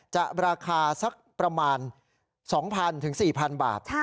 จะราคาสักประมาณ๒๐๐๐ถึง๔๐๐บาท